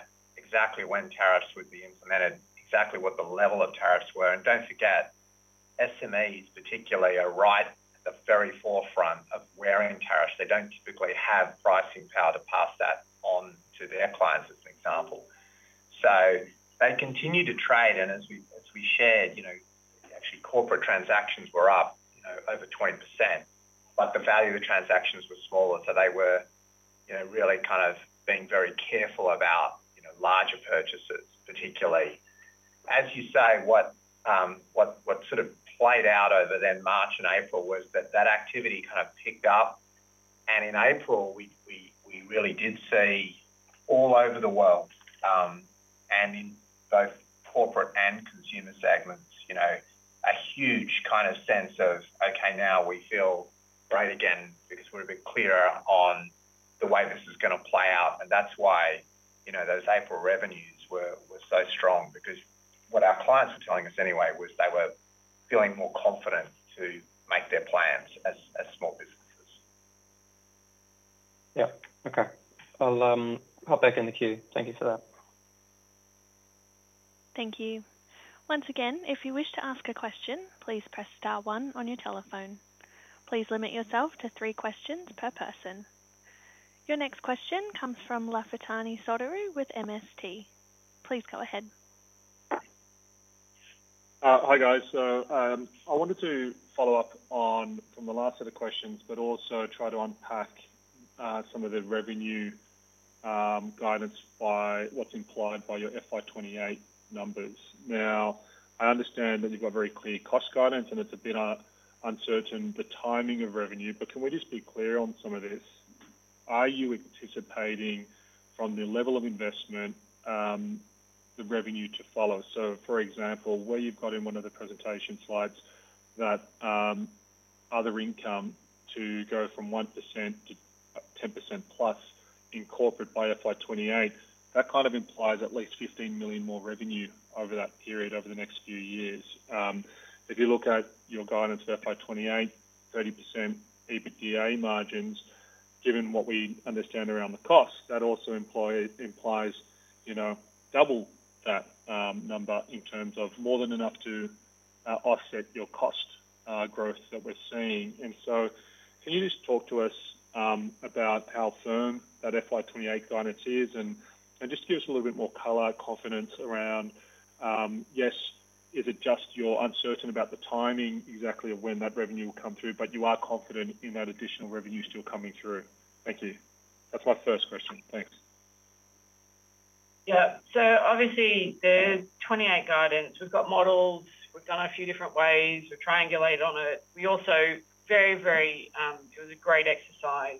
S2: exactly when tariffs would be implemented, exactly what the level of tariffs were. Do not forget, SMEs, particularly, are right at the very forefront of wearing tariffs. They do not typically have pricing power to pass that on to their clients, as an example. They continue to trade, and as we shared, actually, corporate transactions were up over 20%, but the value of the transactions was smaller, so they were really kind of being very careful about larger purchases, particularly. As you say, what sort of played out over then March and April was that that activity kind of picked up, and in April, we really did see all over the world, and in both corporate and consumer segments, a huge kind of sense of, "Okay, now we feel great again because we are a bit clearer on the way this is going to play out." That is why those April revenues were so strong, because what our clients were telling us anyway was they were feeling more confident to make their plans as small businesses.
S4: Yep. Okay. I'll pop back in the queue. Thank you for that.
S1: Thank you. Once again, if you wish to ask a question, please press star one on your telephone. Please limit yourself to three questions per person. Your next question comes from Lafitani Sotiriou with MST. Please go ahead.
S5: Hi, guys. So I wanted to follow up on from the last set of questions, but also try to unpack some of the revenue guidance by what's implied by FI 2028 numbers. Now, I understand that you've got very clear cost guidance, and it's a bit uncertain the timing of revenue, but can we just be clear on some of this? Are you anticipating from the level of investment the revenue to follow? For example, where you have in one of the presentation slides that other income to go from 1% to 10%+ in corporate FI 2028, that kind of implies at least $15 million more revenue over that period, over the next few years. If you look at your guidance FI 2028, 30% EBITDA margins, given what we understand around the cost, that also implies double that number in terms of more than enough to offset your cost growth that we are seeing. Can you just talk to us about how firm FI 2028 guidance is and just give us a little bit more color, confidence around, yes, is it just you are uncertain about the timing exactly of when that revenue will come through, but you are confident in that additional revenue still coming through? Thank you. That is my first question. Thanks.
S3: Yeah. Obviously, the 2028 guidance, we've got models. We've done it a few different ways. We've triangulated on it. It was a great exercise.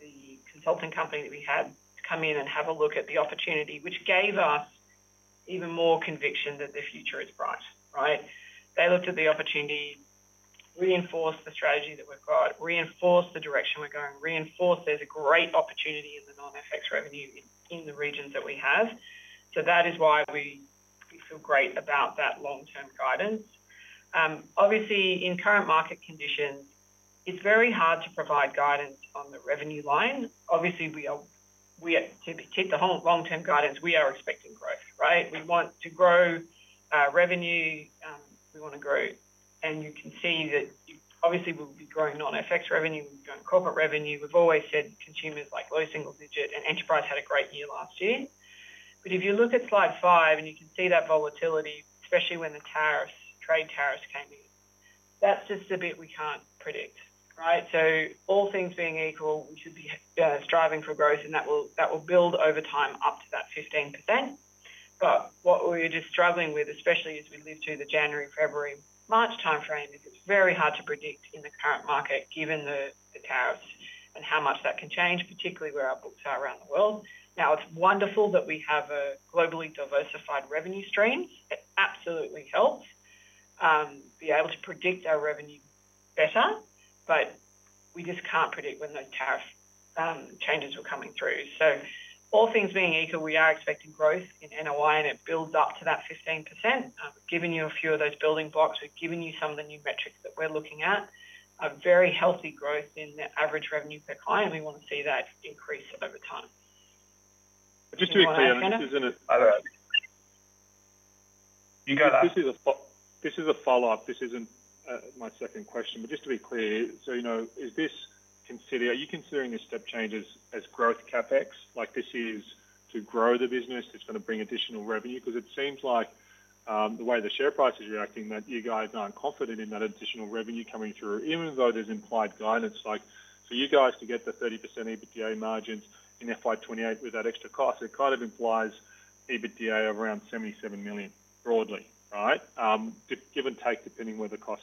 S3: The consulting company that we had come in and have a look at the opportunity gave us even more conviction that the future is bright, right? They looked at the opportunity, reinforced the strategy that we've got, reinforced the direction we're going, reinforced there's a great opportunity in the non-FX revenue in the regions that we have. That is why we feel great about that long-term guidance. Obviously, in current market conditions, it's very hard to provide guidance on the revenue line. Obviously, to hit the long-term guidance, we are expecting growth, right? We want to grow revenue. We want to grow. You can see that obviously we'll be growing non-FX revenue. We'll be growing corporate revenue. We've always said consumers like low single digit, and enterprise had a great year last year. If you look at slide five and you can see that volatility, especially when the trade tariffs came in, that's just a bit we can't predict, right? All things being equal, we should be striving for growth, and that will build over time up to that 15%. What we're just struggling with, especially as we live through the January, February, March timeframe, is it's very hard to predict in the current market given the tariffs and how much that can change, particularly where our books are around the world. Now, it's wonderful that we have a globally diversified revenue stream. It absolutely helps be able to predict our revenue better, but we just can't predict when those tariff changes are coming through. All things being equal, we are expecting growth in NOI, and it builds up to that 15%. We've given you a few of those building blocks. We've given you some of the new metrics that we're looking at. A very healthy growth in the average revenue per client. We want to see that increase over time.
S5: Just to be clear, this isn't a. This is a follow-up. This isn't my second question, but just to be clear, so is this, are you considering this step changes as growth CapEx? Like this is to grow the business. It's going to bring additional revenue because it seems like the way the share price is reacting, that you guys aren't confident in that additional revenue coming through, even though there's implied guidance. You guys to get the 30% EBITDA margins FI 2028 with that extra cost, it kind of implies EBITDA of around $77 million broadly, right? Give and take depending where the cost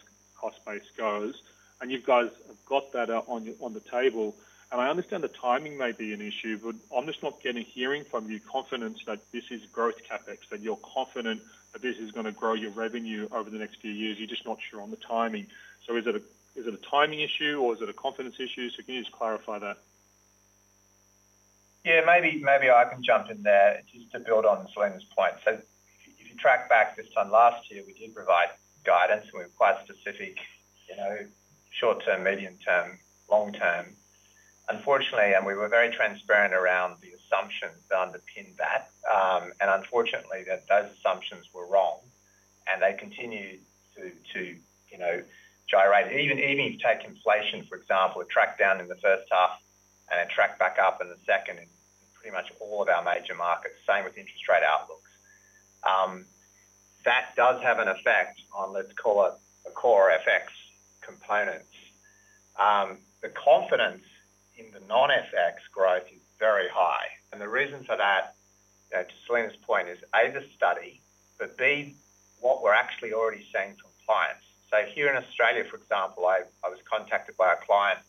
S5: base goes. You guys have got that on the table. I understand the timing may be an issue, but I'm just not getting a hearing from you confidence that this is growth CapEx, that you're confident that this is going to grow your revenue over the next few years. You're just not sure on the timing. Is it a timing issue, or is it a confidence issue? Can you just clarify that?
S2: Yeah, maybe I can jump in there just to build on Selena's point. If you track back this time last year, we did provide guidance, and we were quite specific: short term, medium term, long term. Unfortunately, we were very transparent around the assumptions that underpin that. Unfortunately, those assumptions were wrong, and they continue to gyrate. Even if you take inflation, for example, it tracked down in the first half and tracked back up in the second in pretty much all of our major markets, same with interest rate outlooks. That does have an effect on, let's call it, the core FX components. The confidence in the non-FX growth is very high. The reason for that, to Selena's point, is A, the study, but B, what we're actually already seeing from clients. Here in Australia, for example, I was contacted by a client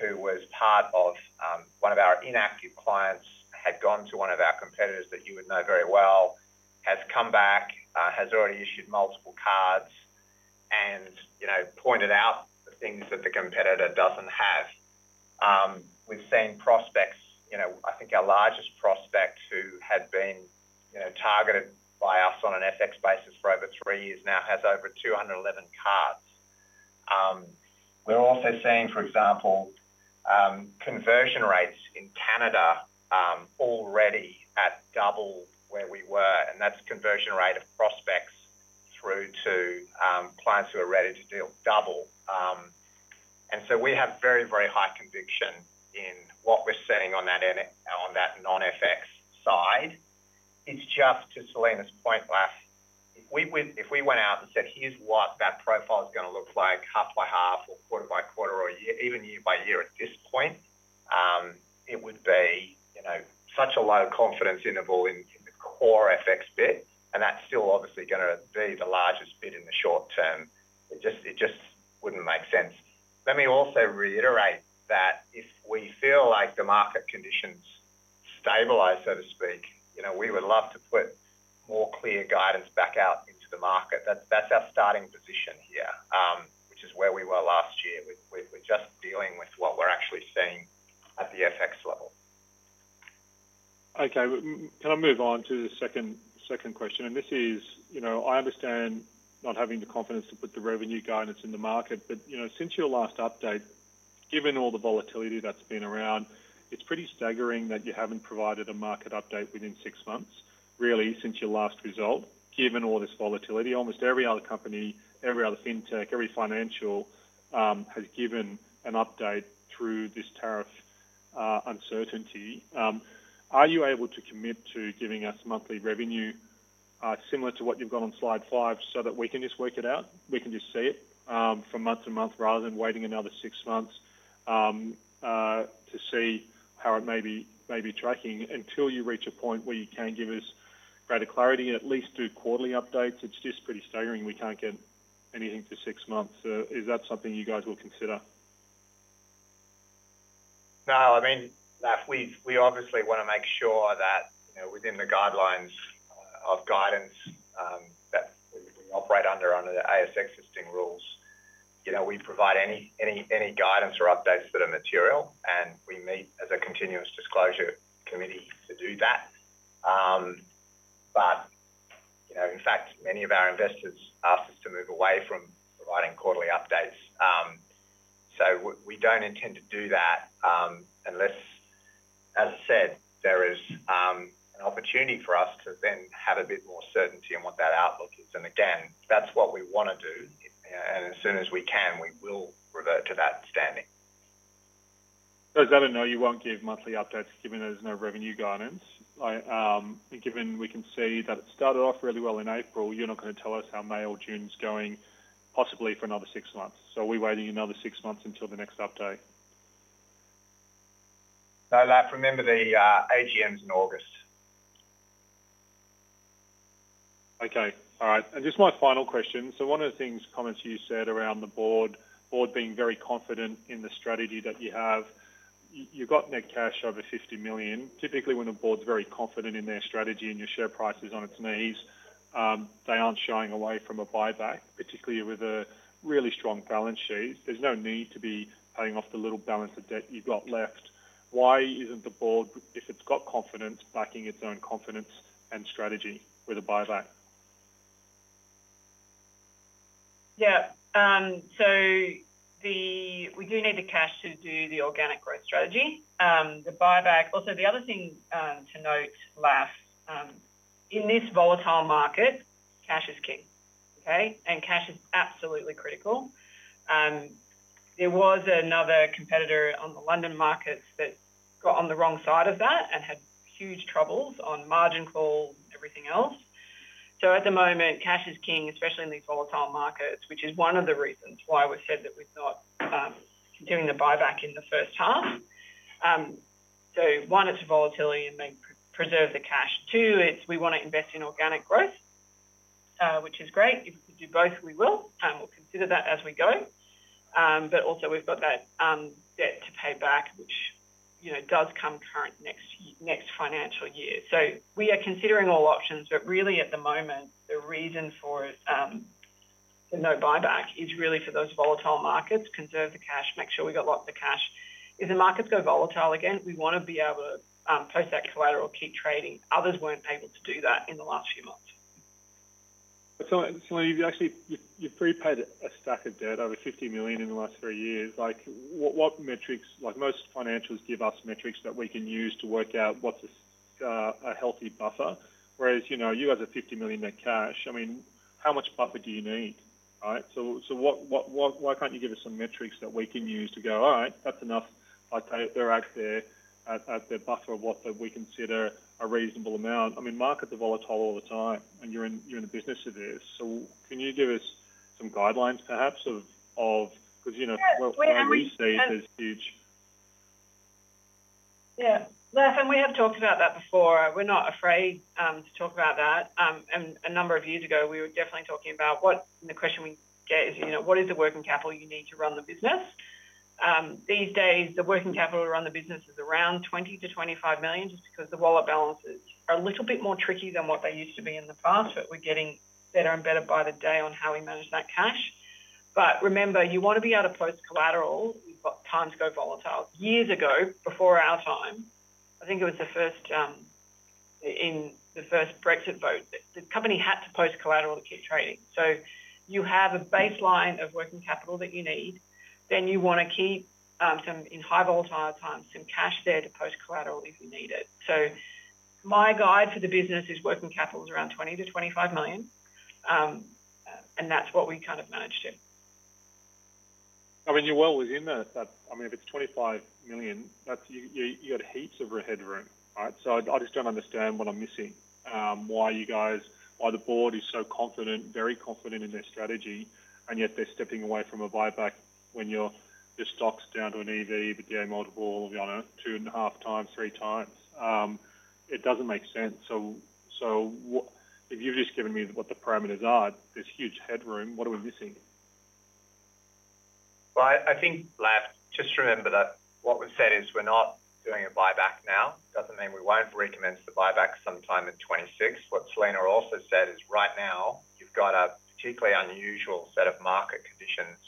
S2: who was part of one of our inactive clients, had gone to one of our competitors that you would know very well, has come back, has already issued multiple cards, and pointed out the things that the competitor does not have. We have seen prospects. I think our largest prospect who had been targeted by us on an FX basis for over three years now has over 211 cards. We are also seeing, for example, conversion rates in Canada already at double where we were, and that is conversion rate of prospects through to clients who are ready to double. We have very, very high conviction in what we are seeing on that non-FX side. It's just, to Selena's point, if we went out and said, "Here's what that profile is going to look like, half by half or quarter by quarter or even year by year at this point," it would be such a low confidence interval in the core FX bit, and that's still obviously going to be the largest bit in the short term. It just wouldn't make sense. Let me also reiterate that if we feel like the market conditions stabilize, so to speak, we would love to put more clear guidance back out into the market. That's our starting position here, which is where we were last year. We're just dealing with what we're actually seeing at the FX level.
S5: Okay. Can I move on to the second question? I understand not having the confidence to put the revenue guidance in the market, but since your last update, given all the volatility that's been around, it's pretty staggering that you haven't provided a market update within six months, really, since your last result, given all this volatility. Almost every other company, every other fintech, every financial has given an update through this tariff uncertainty. Are you able to commit to giving us monthly revenue similar to what you've got on slide five so that we can just work it out? We can just see it from month to month rather than waiting another six months to see how it may be tracking until you reach a point where you can give us greater clarity and at least do quarterly updates. It's just pretty staggering. We can't get anything for six months. Is that something you guys will consider?
S2: No, I mean, we obviously want to make sure that within the guidelines of guidance that we operate under under the ASX existing rules, we provide any guidance or updates that are material, and we meet as a continuous disclosure committee to do that. In fact, many of our investors asked us to move away from providing quarterly updates. We do not intend to do that unless, as I said, there is an opportunity for us to then have a bit more certainty in what that outlook is. That is what we want to do. As soon as we can, we will revert to that standing.
S5: I do not know, you will not give monthly updates given there is no revenue guidance. Given we can see that it started off really well in April, you're not going to tell us how May or June's going, possibly for another six months. Are we waiting another six months until the next update?
S2: No, Laf, remember the AGMs in August.
S5: Okay. All right. Just my final question. One of the things, comments you said around the board, board being very confident in the strategy that you have. You've got net cash over $50 million. Typically, when a board's very confident in their strategy and your share price is on its knees, they aren't shying away from a buyback, particularly with a really strong balance sheet. There's no need to be paying off the little balance of debt you've got left. Why isn't the board, if it's got confidence, backing its own confidence and strategy with a buyback?
S3: Yeah. We do need the cash to do the organic growth strategy. The buyback. Also, the other thing to note, Laf, in this volatile market, cash is king, okay? Cash is absolutely critical. There was another competitor on the London markets that got on the wrong side of that and had huge troubles on margin calls, everything else. At the moment, cash is king, especially in these volatile markets, which is one of the reasons why we've said that we're not continuing the buyback in the first half. One, it's a volatility and may preserve the cash. Two, we want to invest in organic growth, which is great. If we could do both, we will. We'll consider that as we go. Also, we've got that debt to pay back, which does come current next financial year. We are considering all options, but really, at the moment, the reason for the no buyback is really for those volatile markets, conserve the cash, make sure we've got lots of cash. If the markets go volatile again, we want to be able to post that collateral, keep trading. Others weren't able to do that in the last few months.
S5: Selena, you've prepaid a stack of debt, over $50 million in the last three years. What metrics? Most financials give us metrics that we can use to work out what's a healthy buffer. Whereas you guys have $50 million net cash, I mean, how much buffer do you need, right? Why can't you give us some metrics that we can use to go, "All right, that's enough." They're out there at their buffer of what we consider a reasonable amount. I mean, markets are volatile all the time, and you're in the business of this. Can you give us some guidelines, perhaps, because we see it as huge?
S3: Yeah. Laf, and we have talked about that before. We're not afraid to talk about that. A number of years ago, we were definitely talking about what the question we get is, "What is the working capital you need to run the business?" These days, the working capital to run the business is around $20 million-$25 million just because the wallet balances are a little bit more tricky than what they used to be in the past, but we're getting better and better by the day on how we manage that cash. Remember, you want to be able to post collateral. We've got times go volatile. Years ago, before our time, I think it was the first in the first Brexit vote, the company had to post collateral to keep trading. You have a baseline of working capital that you need. Then you want to keep, in high volatile times, some cash there to post collateral if you need it. My guide for the business is working capital is around $20 million-$25 million. That's what we kind of manage to.
S5: I mean, you're well within that. I mean, if it's $25 million, you've got heaps of headroom, right? I just don't understand what I'm missing. Why the board is so confident, very confident in their strategy, and yet they're stepping away from a buyback when your stock's down to an EV, the DA multiple of two and a half times, three times. It doesn't make sense. If you've just given me what the parameters are, this huge headroom, what are we missing?
S2: I think, Laf, just remember that what we've said is we're not doing a buyback now. It doesn't mean we won't recommence the buyback sometime in 2026. What Selena also said is right now, you've got a particularly unusual set of market conditions,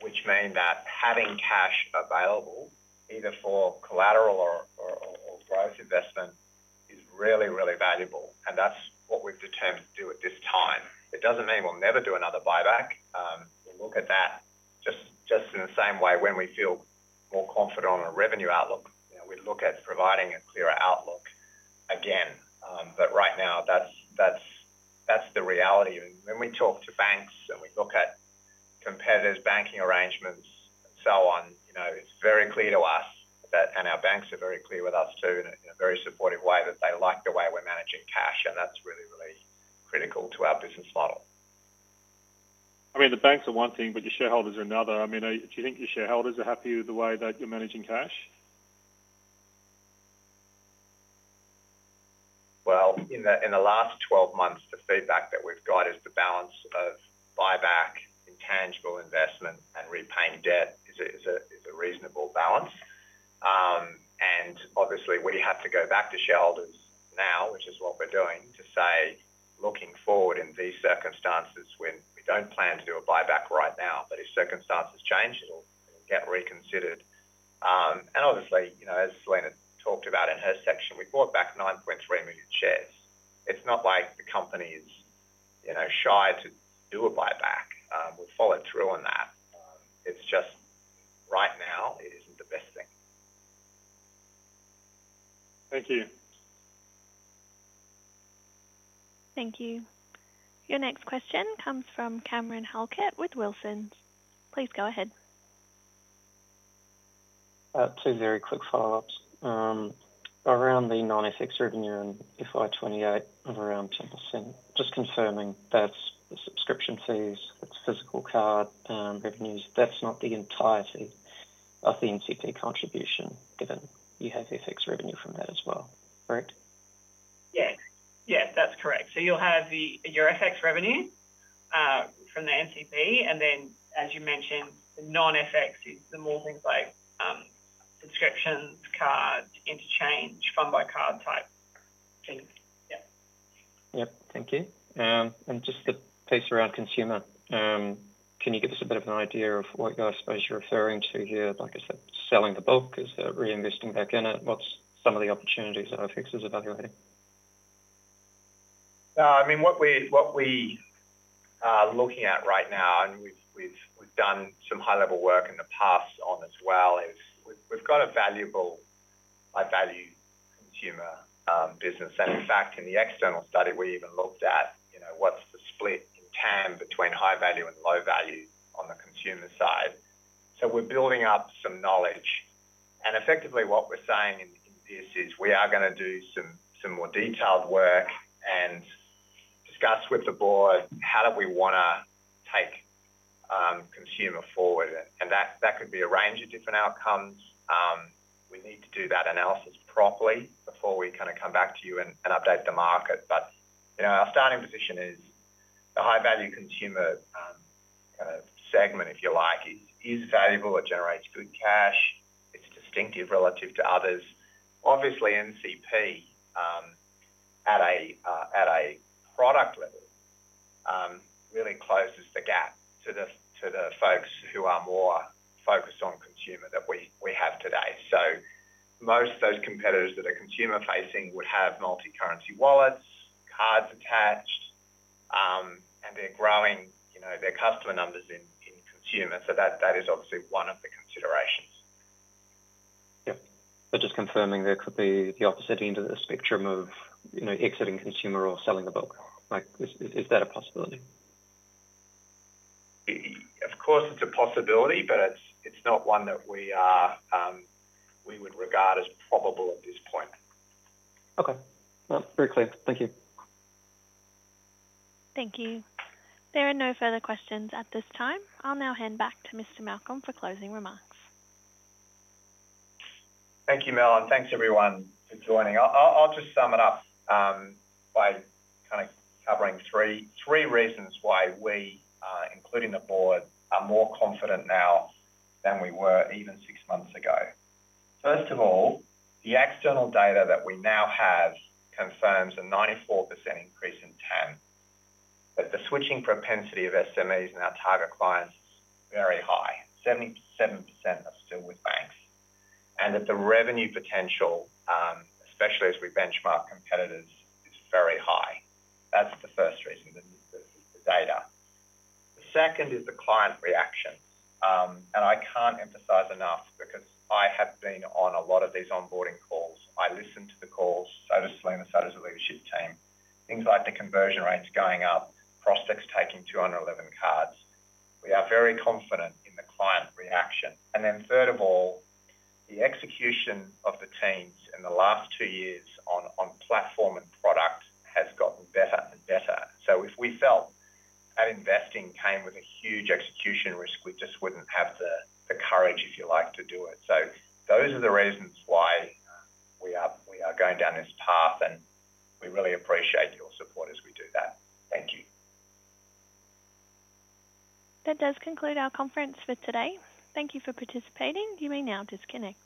S2: which mean that having cash available, either for collateral or growth investment, is really, really valuable. That's what we've determined to do at this time. It doesn't mean we'll never do another buyback. We'll look at that just in the same way when we feel more confident on a revenue outlook. We look at providing a clearer outlook again. Right now, that's the reality. When we talk to banks and we look at competitors' banking arrangements and so on, it is very clear to us, and our banks are very clear with us too, in a very supportive way, that they like the way we are managing cash, and that is really, really critical to our business model.
S5: I mean, the banks are one thing, but your shareholders are another. I mean, do you think your shareholders are happy with the way that you are managing cash?
S2: In the last 12 months, the feedback that we have got is the balance of buyback, intangible investment, and repaying debt is a reasonable balance. Obviously, we have to go back to shareholders now, which is what we're doing, to say, "Looking forward in these circumstances, we don't plan to do a buyback right now, but if circumstances change, it'll get reconsidered." Obviously, as Selena talked about in her section, we bought back 9.3 million shares. It's not like the company is shy to do a buyback. We'll follow through on that. It's just right now, it isn't the best thing.
S5: Thank you.
S1: Thank you. Your next question comes from Cameron Halket with Wilsons. Please go ahead.
S4: Two very quick follow-ups. Around the non-FX revenue FI 2028 of around 10%, just confirming that's the subscription fees, that's physical card revenues. That's not the entirety of the NCP contribution given you have FX revenue from that as well. Correct?
S3: Yes. Yes, that's correct. You'll have your FX revenue from the NCP, and then, as you mentioned, the non-FX is the more things like subscriptions, cards, interchange, fund by card type things.
S4: Yep. Thank you. Just the piece around consumer. Can you give us a bit of an idea of what you're referring to here? Like I said, selling the bulk is reinvesting back in it. What's some of the opportunities that FX is evaluating?
S2: I mean, what we are looking at right now, and we've done some high-level work in the past on as well, is we've got a valuable high-value consumer business. In fact, in the external study, we even looked at what's the split in TAM between high value and low value on the consumer side. We're building up some knowledge. Effectively, what we're saying in this is we are going to do some more detailed work and discuss with the board how do we want to take consumer forward. That could be a range of different outcomes. We need to do that analysis properly before we kind of come back to you and update the market. Our starting position is the high-value consumer kind of segment, if you like, is valuable. It generates good cash. It's distinctive relative to others. Obviously, NCP at a product level really closes the gap to the folks who are more focused on consumer that we have today. Most of those competitors that are consumer-facing would have multi-currency wallets, cards attached, and they're growing their customer numbers in consumer. That is obviously one of the considerations.
S4: Yep. Just confirming there could be the opposite end of the spectrum of exiting consumer or selling the bulk. Is that a possibility?
S2: Of course, it's a possibility, but it's not one that we would regard as probable at this point.
S4: Okay. That's very clear. Thank you.
S1: Thank you. There are no further questions at this time. I'll now hand back to Mr. Malcolm for closing remarks.
S2: Thank you, Mel. And thanks, everyone, for joining. I'll just sum it up by kind of covering three reasons why we, including the board, are more confident now than we were even six months ago. First of all, the external data that we now have confirms a 94% increase in TAM, that the switching propensity of SMEs and our target clients is very high. 77% are still with banks. And that the revenue potential, especially as we benchmark competitors, is very high. That's the first reason, the data. The second is the client reactions. I can't emphasize enough because I have been on a lot of these onboarding calls. I listen to the calls, so does Selena, so does the leadership team. Things like the conversion rates going up, Prospex taking 211 cards. We are very confident in the client reaction. Third of all, the execution of the teams in the last two years on platform and product has gotten better and better. If we felt that investing came with a huge execution risk, we just wouldn't have the courage, if you like, to do it. Those are the reasons why we are going down this path, and we really appreciate your support as we do that. Thank you.
S1: That does conclude our conference for today. Thank you for participating. You may now disconnect.